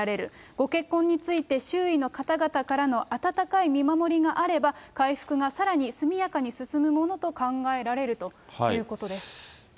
ご結婚について、周囲の方々からの温かい見守りがあれば、回復がさらに速やかに進むものと考えられるということです。